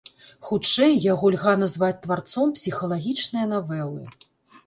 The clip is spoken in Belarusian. Хутчэй яго льга назваць тварцом псіхалагічнае навелы.